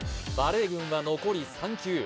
バレー軍は残り３球